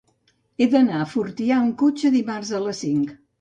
He d'anar a Fortià amb cotxe dimarts a les cinc.